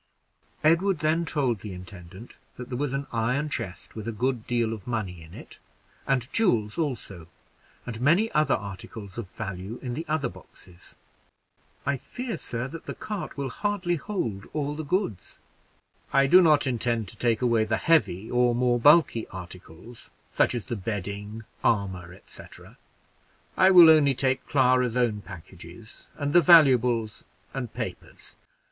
Edward then told the intendant that there was an iron chest with a good deal of money in it, and jewels also, and many other articles of value in the other boxes. "I fear, sir, that the cart will hardly hold all the goods." "I do not intend to take away the heavy or more bulky articles, such as the bedding, armor, &c. I will only take Clara's own packages, and the valuables and papers.